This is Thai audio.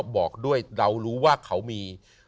บอกด้วยเรารู้ว่าเขามี